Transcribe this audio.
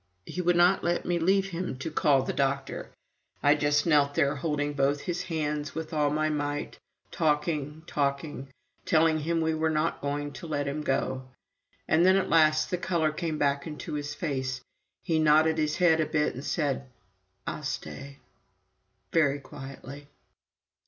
He would not let me leave him to call the doctor. I just knelt there holding both his hands with all my might, talking, talking, telling him we were not going to let him go. And then, at last, the color came back into his face, he nodded his head a bit, and said, "I'll stay," very quietly.